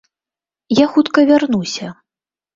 Я хутка вярнуся...